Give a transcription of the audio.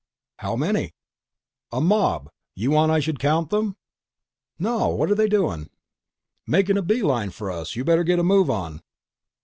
"How many?" "A mob. You want I should count them?" "No. What're they doing?" "Making a beeline for us. You better get a move on."